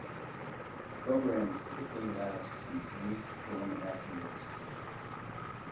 Programs typically last from three to four and a half years.